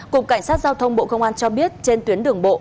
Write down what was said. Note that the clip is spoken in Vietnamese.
cục cảnh sát giao thông bộ công an cho biết trên tuyến đường bộ